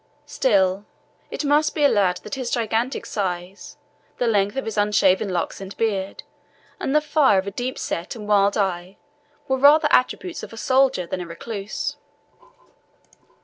Still, it must be allowed that his gigantic size, the length of his unshaven locks and beard, and the fire of a deep set and wild eye were rather attributes of a soldier than of a recluse.